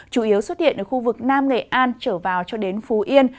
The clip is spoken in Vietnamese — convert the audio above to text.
chủ yếu xuất hiện ở khu vực nam nghệ an trở vào cho đến phú yên